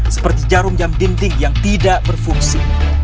seperti jarum jam dinding yang tidak berfungsi